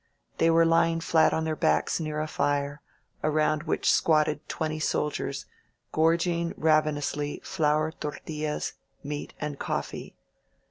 They were lying flat on their backs near a fire, around which squatted twenty soldiers, gorging ravenously flour tortillas, meat and coffee.